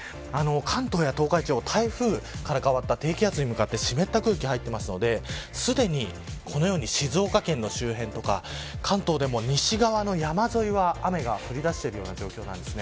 関東や東海地方、台風から変わった低気圧の影響で湿った空気が入っているのですでに、このように静岡県周辺とか関東でも西側の山沿いは雨が降り出している状況です。